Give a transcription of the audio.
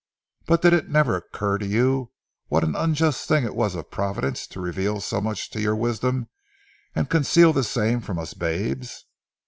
But did it never occur to you what an unjust thing it was of Providence to reveal so much to your wisdom and conceal the same from us babes?"